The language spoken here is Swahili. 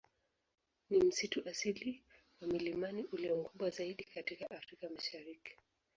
Ni msitu asili wa milimani ulio mkubwa zaidi katika Afrika Mashariki.